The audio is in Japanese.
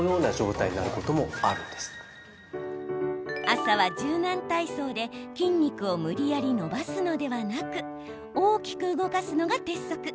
朝は柔軟体操で筋肉を無理やり伸ばすのではなく大きく動かすのが鉄則。